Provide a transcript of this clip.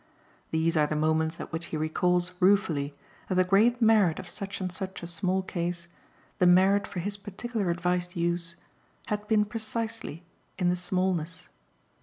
These are the moments at which he recalls ruefully that the great merit of such and such a small case, the merit for his particular advised use, had been precisely in the smallness.